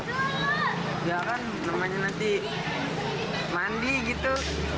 enggak kan namanya nanti mandi gitu